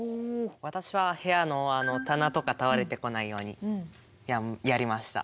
私は部屋の棚とか倒れてこないようにやりました。